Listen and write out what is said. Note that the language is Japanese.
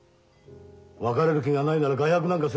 別れる気がないなら外泊なんかするなって。